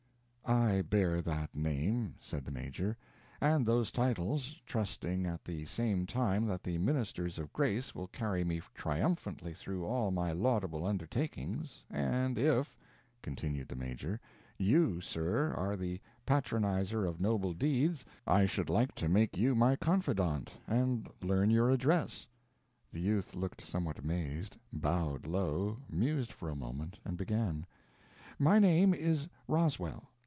"I bear that name," said the Major, "and those titles, trusting at the same time that the ministers of grace will carry me triumphantly through all my laudable undertakings, and if," continued the Major, "you, sir, are the patronizer of noble deeds, I should like to make you my confidant and learn your address." The youth looked somewhat amazed, bowed low, mused for a moment, and began: "My name is Roswell.